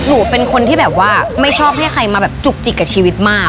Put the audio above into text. หนูเป็นคนที่แบบว่าไม่ชอบให้ใครมาแบบจุกจิกกับชีวิตมาก